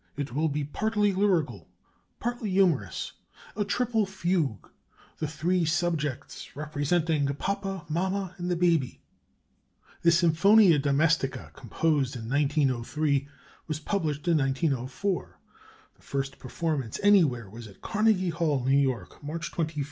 It will be partly lyrical, partly humorous a triple fugue, the three subjects representing papa, mamma, and the baby." The Symphonia Domestica, composed in 1903, was published in 1904. The first performance anywhere was at Carnegie Hall, New York, March 21, 1904.